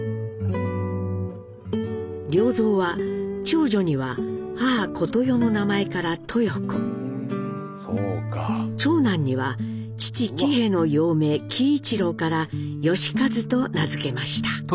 良三は長女には母・小とよの名前からトヨコ長男には父・喜兵衛の幼名喜一郎から喜一と名付けました。